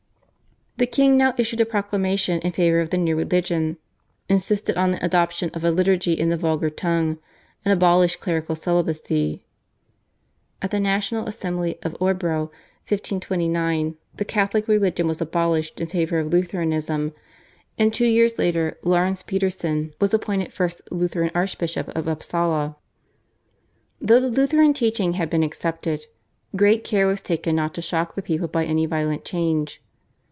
The king now issued a proclamation in favour of the new religion, insisted on the adoption of a liturgy in the vulgar tongue, and abolished clerical celibacy. At the National Assembly of Orebro (1529) the Catholic religion was abolished in favour of Lutheranism, and two years later Laurence Peterson was appointed first Lutheran Archbishop of Upsala. Though the Lutheran teaching had been accepted, great care was taken not to shock the people by any violent change.